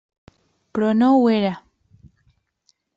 Però no ho era.